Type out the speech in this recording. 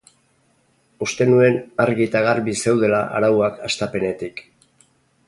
Uste nuen argi eta garbi zeudela arauak hastapenetik.